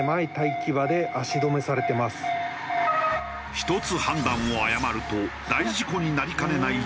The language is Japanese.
１つ判断を誤ると大事故になりかねない状況。